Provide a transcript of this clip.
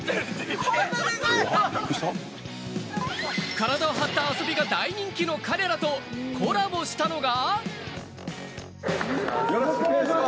体を張った遊びが大人気の彼らとコラボしたのが。